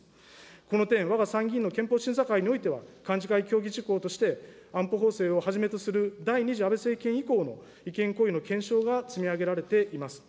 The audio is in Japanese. この点、わが参議院の憲法審査会においては、幹事会協議事項として、安保法制をはじめとする、第２次安倍政権以降の違憲行為の検証が積み上げられています。